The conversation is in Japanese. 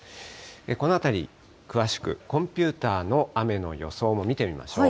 このあたり、詳しくコンピューターの雨の予想も見てみましょう。